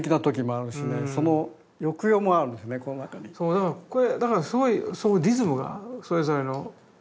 だからこれだからすごいリズムがあるそれぞれの。